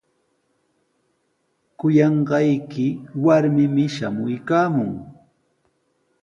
Kuyanqayki warmimi shamuykaamun.